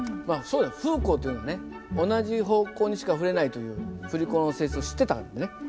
フーコーっていうのはね同じ方向にしか振れないという振り子の性質を知ってたんでね